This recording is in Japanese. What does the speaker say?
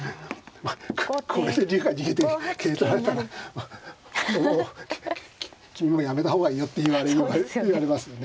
まあこれで竜が逃げて桂取られたらもう君もうやめた方がいいよって言われますよね。